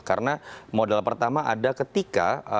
karena modal pertama ada ketika